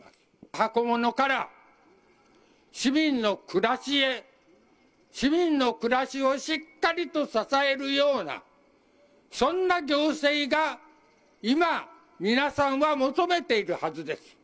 箱ものから市民の暮らしへ、市民の暮らしをしっかりと支えるようなそんな行政が今、皆さんは求めているはずです。